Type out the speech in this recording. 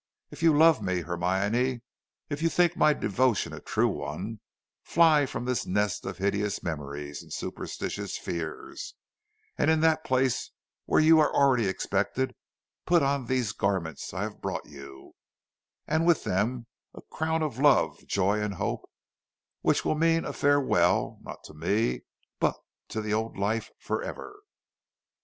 If you love me, Hermione, if you think my devotion a true one, fly from this nest of hideous memories and superstitious fears, and in that place where you are already expected, put on these garments I have brought you, and with them a crown of love, joy, and hope, which will mean a farewell, not to me, but to the old life forever."